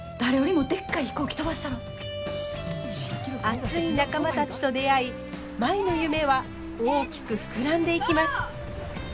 熱い仲間たちと出会い舞の夢は大きく膨らんでいきます。